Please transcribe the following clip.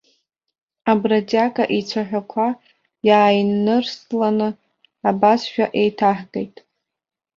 Абродиага ицәаҳәақәа иааинырсланы абасшәа еиҭаҳгеит.